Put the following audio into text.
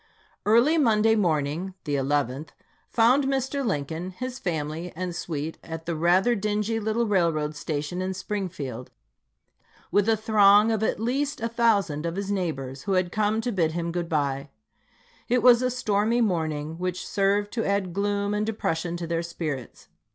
Early Monday morning (the 11th) found Mr. Lincoln, his family, and suite at the rather dingy little railroad station in Springfield, with a throng of at least a thousand of his neighbors who had come to bid him good bye. It was a stormy morning, which served to add gloom and depression to their spirits.